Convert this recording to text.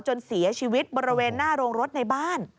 จนเสียชีวิตบริเวณหน้าโรงรถในบ้าน